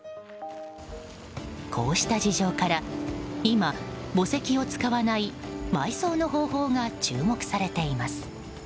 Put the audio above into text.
こうした事情から今墓石を使わない埋葬の方法が注目されています。